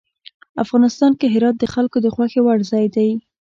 افغانستان کې هرات د خلکو د خوښې وړ ځای دی.